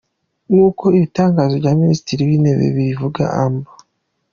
Nk'uko itangazo rya Minisitiri w'intebe ribivuga, Amb.